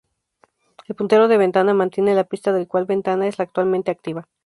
El puntero de ventana mantiene la pista de cual ventana es la actualmente activa.